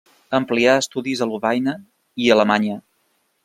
Amplià estudis a Lovaina i a Alemanya.